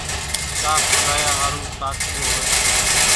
شاک هلايا ۿارُو ساٽُوئو هوئيَ سي۔